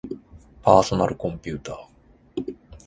パーソナルコンピューター